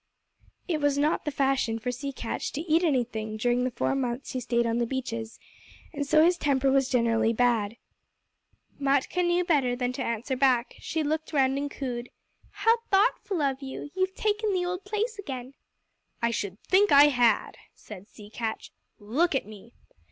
It was not the fashion for Sea Catch to eat anything during the four months he stayed on the beaches, and so his temper was generally bad. Matkah knew better than to answer back. She looked round and cooed: "How thoughtful of you. You've taken the old place again." "I should think I had," said Sea Catch. "Look at me!"